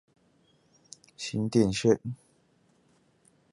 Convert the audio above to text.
新店線